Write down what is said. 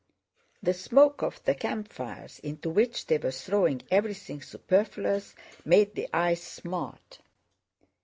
The smoke of the campfires, into which they were throwing everything superfluous, made the eyes smart.